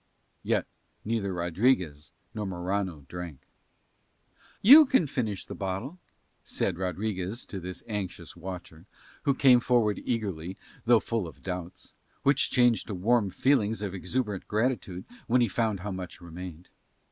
Yet neither Rodriguez nor Morano drank. "You can finish the bottle," said Rodriguez to this anxious watcher, who came forward eagerly though full of doubts, which changed to warm feelings of exuberant gratitude when he found how much remained.